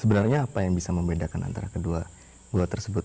sebenarnya apa yang bisa membedakan antara kedua pulau tersebut